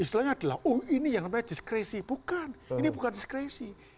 istilahnya adalah oh ini yang namanya diskresi bukan ini bukan diskresi